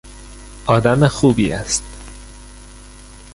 آدم خوبی است.